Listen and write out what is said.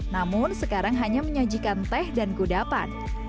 namun sekarang hanya menyajikan teh dan kudapan